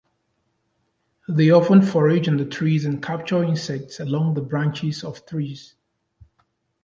They often forage in the trees and capture insects along the branches of trees.